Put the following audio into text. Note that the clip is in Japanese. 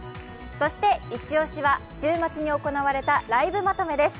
そしてイチ押しは週末に行われたライブまとめです。